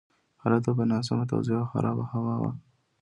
هلته به ناسمه تغذیه او خرابه هوا وه.